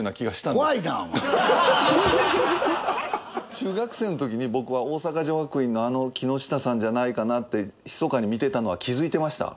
中学生のときに僕は大阪女学院のあの木下さんじゃないかなってひそかに見てたのは気づいてました？